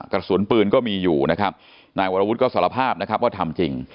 กระสุนปืนก็มีอยู่นะครับนายวรวุฒิก็สารภาพนะครับว่าทำจริง